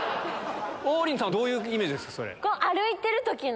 王林さんはどういうイメージですか？